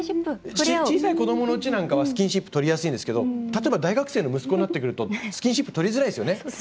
小さい子どものうちなんかはスキンシップとりやすいんですが例えば大学生の息子になってくるとスキンシップとりづらいですよね。